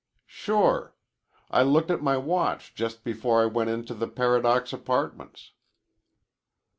"Sure. I looked at my watch just before I went into the Paradox Apartments."